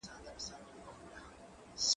زه مخکي منډه وهلې وه؟!